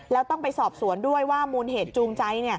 แล้วต้องไปสอบสวนด้วยว่ามูลเหตุจูงใจ